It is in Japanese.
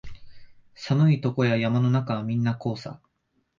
寒いとこや山の中はみんなこうさ